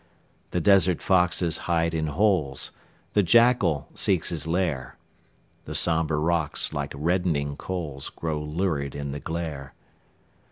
The desert foxes hide in holes, The jackal seeks his lair; The sombre rocks, like reddening coals, Glow lurid in the glare.